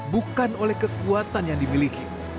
bukan oleh kekuatan yang dimiliki